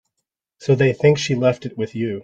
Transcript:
So they think she left it with you.